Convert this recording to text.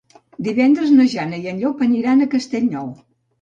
Divendres na Jana i en Llop aniran a Castellnou.